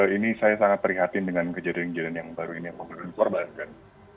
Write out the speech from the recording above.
ini saya sangat prihatin dengan kejadian kejadian yang baru ini yang membuat korbankan